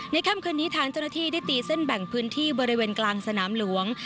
ค่ำคืนนี้ทางเจ้าหน้าที่ได้ตีเส้นแบ่งพื้นที่บริเวณกลางสนามหลวง